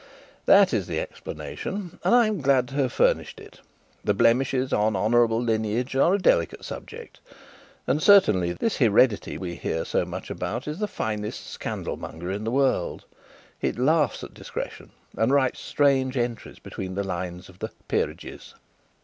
That is the explanation, and I am glad to have finished it: the blemishes on honourable lineage are a delicate subject, and certainly this heredity we hear so much about is the finest scandalmonger in the world; it laughs at discretion, and writes strange entries between the lines of the "Peerages".